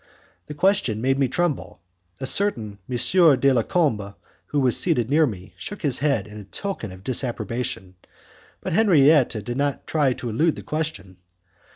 The question made me tremble. A certain M. de la Combe, who was seated near me, shook his head in token of disapprobation, but Henriette did not try to elude the question.